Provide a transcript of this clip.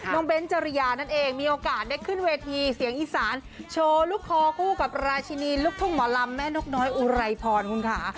เบ้นจริยานั่นเองมีโอกาสได้ขึ้นเวทีเสียงอีสานโชว์ลูกคอคู่กับราชินีลูกทุ่งหมอลำแม่นกน้อยอุไรพรคุณค่ะ